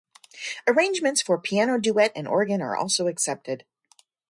Arrangements for piano duet and organ are also accepted.